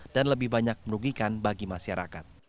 dan lebih banyak merugikan bagi masyarakat